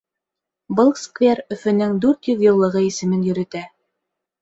Был сквер Өфөнөң дүрт йөҙ йыллығы исемен йөрөтә.